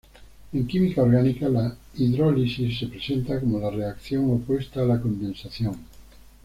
En química orgánica, la hidrólisis se presenta como la reacción opuesta a la condensación.